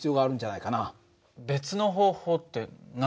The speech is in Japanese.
別の方法って何？